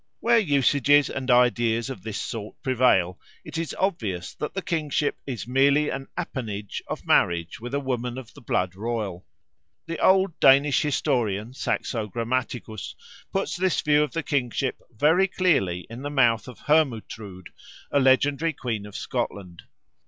Where usages and ideas of this sort prevail, it is obvious that the kingship is merely an appanage of marriage with a woman of the blood royal. The old Danish historian Saxo Grammaticus puts this view of the kingship very clearly in the mouth of Hermutrude, a legendary queen of Scotland.